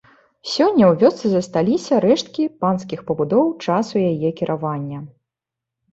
Сёння ў вёсцы засталіся рэшткі панскіх пабудоў часу яе кіравання.